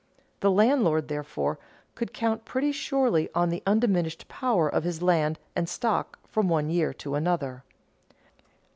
The landlord, therefore, could count pretty surely on the undiminished power of his land and stock from one year to another.